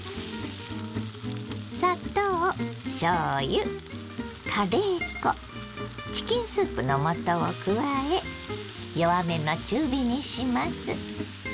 砂糖しょうゆカレー粉チキンスープの素を加え弱めの中火にします。